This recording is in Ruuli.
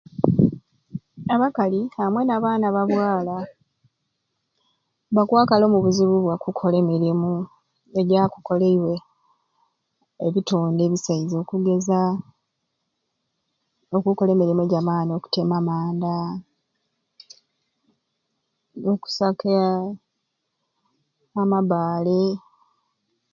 Abakali amwe n'abaana ba bwaala bakwakala omubizibu bwa kukola emirimu egyakukoleibwe ebitonde ebisaiza okugeza okukola emirimu egya maani okutema amanda, okusaka amabbaale.